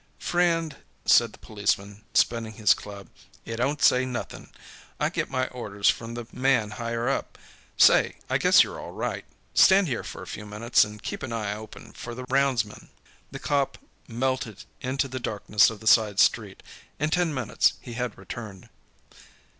"Friend," said the policeman, spinning his club, "it don't say nothing. I get my orders from the man higher up. Say, I guess you're all right. Stand here for a few minutes and keep an eye open for the roundsman." The cop melted into the darkness of the side street. In ten minutes he had returned.